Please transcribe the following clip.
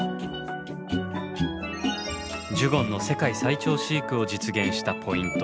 ジュゴンの世界最長飼育を実現したポイント